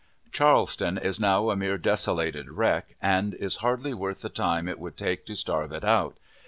Charleston is now a mere desolated wreck, and is hardly worth the time it would take to starve it out.